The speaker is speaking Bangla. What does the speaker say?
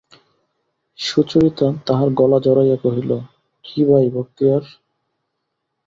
সুচরিতা তাহার গলা জড়াইয়া কহিল, কী ভাই বক্তিয়ার!